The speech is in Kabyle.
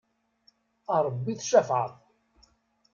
A Rebbi tcafεeḍ!